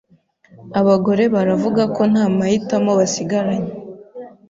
Abagore baravuga ko nta mahitamo basigaranye